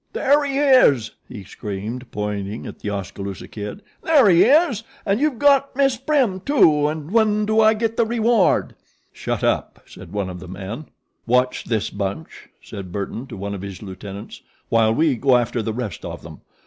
"There he is!" he screamed, pointing at The Oskaloosa Kid. "There he is! And you've got Miss Prim, too, and when do I get the reward?" "Shut up!" said one of the men. "Watch this bunch," said Burton to one of his lieutenants, "while we go after the rest of them.